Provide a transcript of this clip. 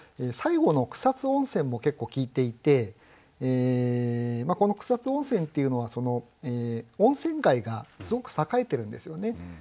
最後の「草津温泉」も結構効いていてこの草津温泉っていうのは温泉街がすごく栄えているんですよね。